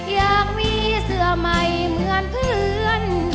อยากมีเสื้อใหม่เหมือนเพื่อน